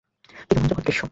কী রোমাঞ্চকর দৃশ্য!